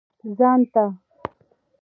ځان ته.